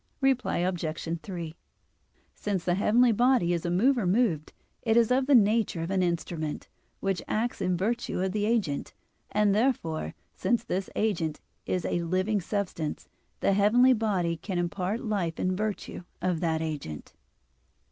Reply Obj. 3: Since the heavenly body is a mover moved, it is of the nature of an instrument, which acts in virtue of the agent: and therefore since this agent is a living substance the heavenly body can impart life in virtue of that agent.